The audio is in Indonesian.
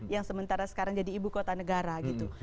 yang sementara sekarang jadi ibu kota negara gitu